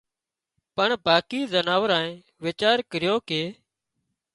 پڻ باقي زناوارنئي ويچار ڪريو ڪي